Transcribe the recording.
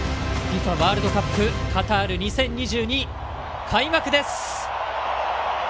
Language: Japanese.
ＦＩＦＡワールドカップカタール２０２２、開幕です。